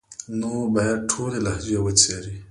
نو بايد ټولي لهجې وڅېړي،